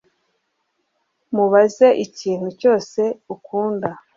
Mubaze ikintu cyose ukunda